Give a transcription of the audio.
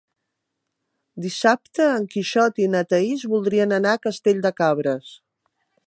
Dissabte en Quixot i na Thaís voldrien anar a Castell de Cabres.